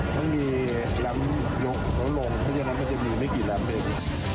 ต้องมีแรมป์ลงถ้าไม่ได้แรมป์มันจะมีไม่กี่แรมป์เลย